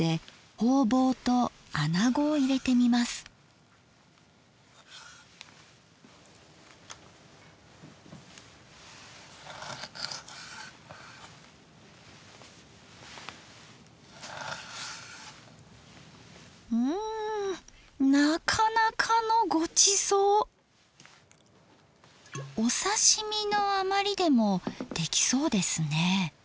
お刺身の余りでもできそうですね。